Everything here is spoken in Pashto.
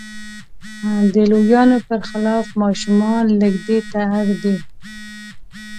د لویانو پر خلاف ماشومان لږ دې ته اړ دي.